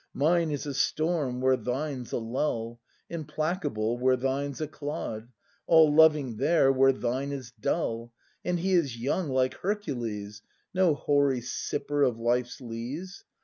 Mine is a storm, where thine's a lull. Implacable where thine's a clod, All loving there, where thine is dull; And He is young like Hercules, No hoary sipper of life's lees!